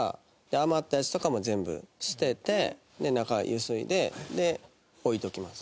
余ったやつとかも全部捨てて中ゆすいで置いときます。